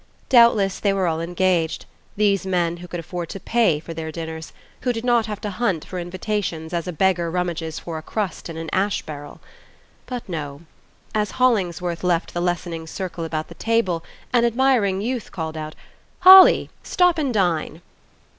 Doubtless they were all engaged, these men who could afford to pay for their dinners, who did not have to hunt for invitations as a beggar rummages for a crust in an ash barrel! But no as Hollingsworth left the lessening circle about the table an admiring youth called out "Holly, stop and dine!"